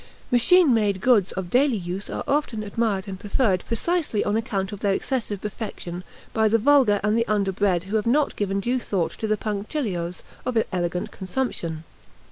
Machine made goods of daily use are often admired and preferred precisely on account of their excessive perfection by the vulgar and the underbred who have not given due thought to the punctilios of elegant consumption.